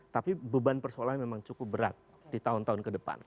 tapi beban persoalannya memang cukup berat di tahun tahun ke depan